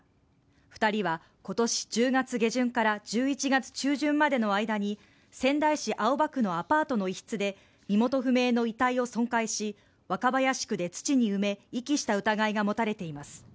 ２人は今年１０月下旬から１１月中旬までの間に仙台市青葉区のアパートの一室で身元不明の遺体を損壊し若林区で土に埋め遺棄した疑いが持たれています。